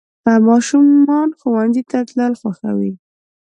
ماشومان ښوونځي ته تلل خوښوي.